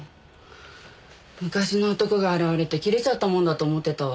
昔の男が現れて切れちゃったもんだと思ってたわ。